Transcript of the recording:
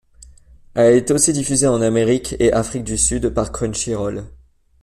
Elle est aussi diffusée en Amérique et Afrique du Sud par Crunchyroll.